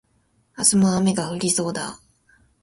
明日も雨が降りそうだ